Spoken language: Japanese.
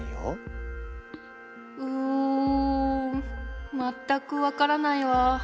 うん全く分からないわ。